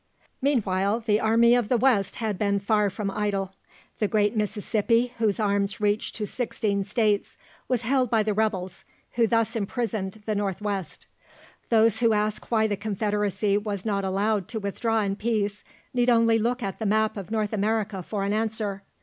Meanwhile, the army of the West had been far from idle. The great Mississippi, whose arms reach to sixteen states, was held by the rebels, who thus imprisoned the North West. Those who ask why the Confederacy was not allowed to withdraw in peace, need only look at the map of North America for an answer.